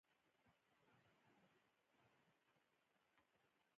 روغتیا پرته له روانی روغتیا تکمیل نده